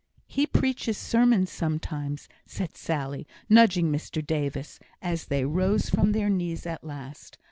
"He preaches sermons sometimes," said Sally, nudging Mr Davis, as they rose from their knees at last.